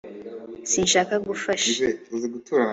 sinshaka gufasha